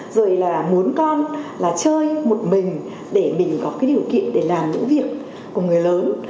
rồi là muốn con là chơi một mình để mình có cái điều kiện để làm những việc của người lớn